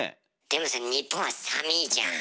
でもさ日本は寒ぃじゃん。